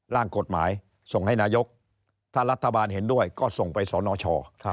ร่างกฎหมายส่งให้นายกถ้ารัฐบาลเห็นด้วยก็ส่งไปสนช